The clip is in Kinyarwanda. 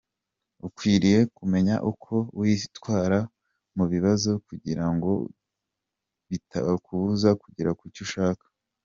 Ukwiriye kumenya uko witwara mu bibazo kugira ngo bitakubuza kugera kucyo ushaka.